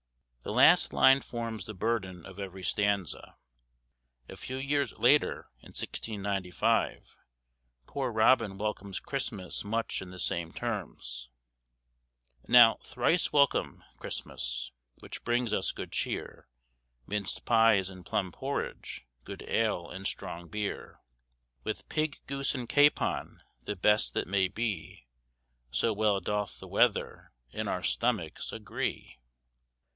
The last line forms the burden of every stanza. A few years later, in 1695, Poor Robin welcomes Christmas much in the same terms,— "Now, thrice welcome, Christmas, Which brings us good cheer, Minc'd pies and plumb porridge, Good ale and strong beer; With pig, goose, and capon, The best that may be, So well doth the weather And our stomachs agree."